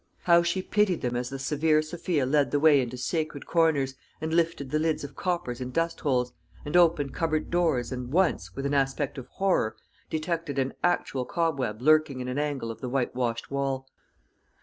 How she pitied them as the severe Sophia led the way into sacred corners, and lifted the lids of coppers and dustholes, and opened cupboard doors, and once, with an aspect of horror, detected an actual cobweb lurking in an angle of the whitewashed wall!